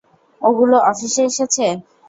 ওগুলো অফিসে এসেছে?